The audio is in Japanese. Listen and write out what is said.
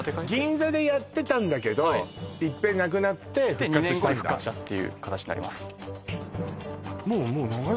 銀座でやってたんだけどいっぺんなくなって復活したんだで２年後に復活したっていう形になります